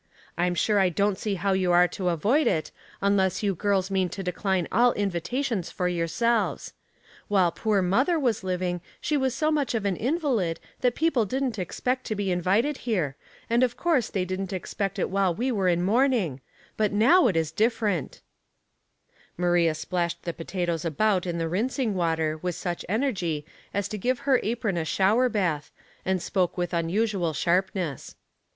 I'm sure I don't see how you are to avoid it, unless you girls mean to decline all invitations for your selves. While poor mother was living she was so much of an invalid, that people didn't expect to be invited here, and of course they didn't expect it while we were in mourning ; but now it is different." Opposing Elements, 211 Maria splashed the potatoes about in the rinsing water with such energy as to give her apron a shower bath, and spoke with unusual sharpness.